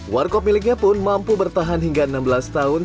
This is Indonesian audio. warkop miliknya pun mampu bertahan hingga enam belas tahun